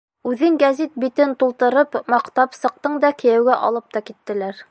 Үҙең гәзит битен тултырып маҡтап сыҡтың да кейәүгә алып та киттеләр.